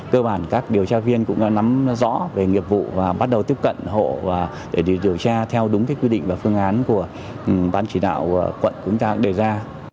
cơ bản các điều tra viên cũng đã nắm rõ về nghiệp vụ và bắt đầu tiếp cận hộ để điều tra theo đúng quy định và phương án của ban chỉ đạo quận chúng ta đề ra